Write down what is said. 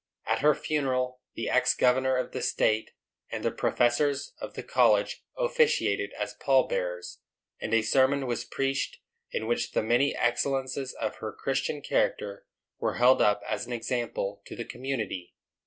At her funeral the ex governor of the state and the professors of the college officiated as pall bearers, and a sermon was preached in which the many excellences of her Christian character were held up as an example to the community.